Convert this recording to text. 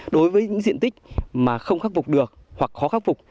đối với những diện tích mà không khắc phục được hoặc khó khắc phục